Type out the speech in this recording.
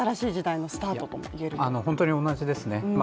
本当に、同じですね。